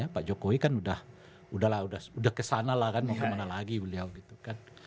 pak jokowi kan udah kesana lah kan kemana lagi beliau gitu kan